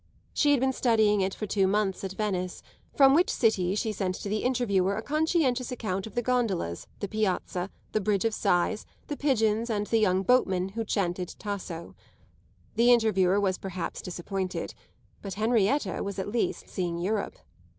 She had been studying it for two months at Venice, from which city she sent to the Interviewer a conscientious account of the gondolas, the Piazza, the Bridge of Sighs, the pigeons and the young boatman who chanted Tasso. The Interviewer was perhaps disappointed, but Henrietta was at least seeing Europe.